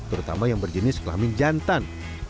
terutama yang berjenis kelamin jantan